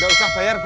kenapa lo telat